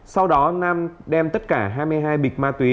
sau đó nam đem tất cả hai mươi hai bịch ma túy